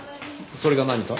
それが何か？